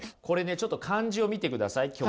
これねちょっと漢字を見てください。